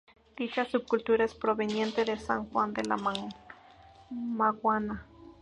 Dicha subcultura es proveniente de San Juan de la maguana.